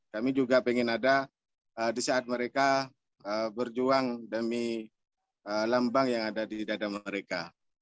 kami juga ingin ada di saat mereka berjuang demi lambang yang ada di dada mereka